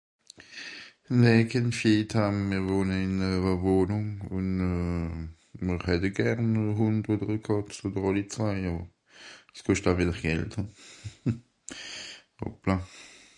On n'a pas d'animaux On habite en appart ; on aimerait bien un chien ou un chat, ou les deux, mais çà coûte de l'argent